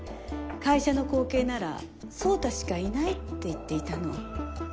会社の後継なら宗太しかいないって言っていたの。